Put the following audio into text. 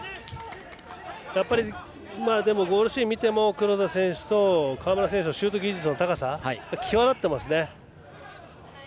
でもゴールシーンを見ても黒田選手と川村選手のシュート技術の高さが際立っていますね。